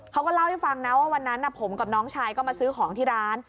เขาก็เล่าให้ฟังนะว่าวันนั้นผมกับน้องชายก็มาซื้อของที่ร้าน